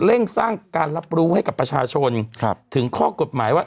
เร่งสร้างการรับรู้ให้กับประชาชนถึงข้อกฎหมายว่า